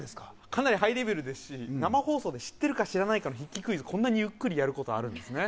かなりハイレベルですし、生放送で知っているか知らないかの筆記クイズ、こんなにゆっくりやることあるんですね。